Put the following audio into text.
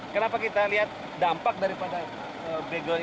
kenapa kita lihat dampak daripada bego ini